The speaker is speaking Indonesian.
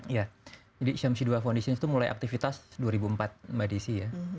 iya jadi syamsi dua foundation itu mulai aktivitas dua ribu empat mbak desi ya